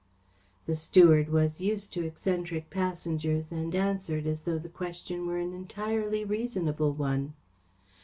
The steward was used to eccentric passengers and answered as though the question were an entirely reasonable one.